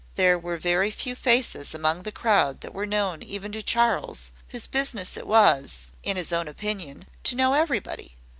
There were very few faces among the crowd that were known even to Charles, whose business it was, in his own opinion, to know everybody.